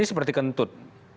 ini seperti kentut